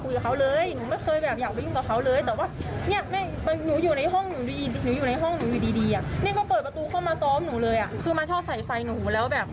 เหมือนนรกบนดินน่ะคือแบบหนูไม่รู้จะอธิบายยังไงแต่ว่ามันแบบแล้ว